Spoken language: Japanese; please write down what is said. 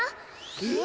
えっ？